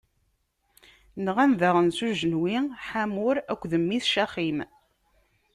Nɣan daɣen s ujenwi, Ḥamur akked mmi-s Caxim.